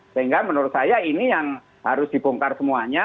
sehingga menurut saya ini yang harus dibongkar semuanya